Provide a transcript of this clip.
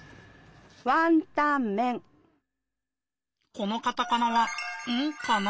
このカタカナは「ン」かな？